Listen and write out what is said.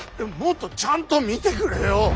もっとちゃんと見てくれよ。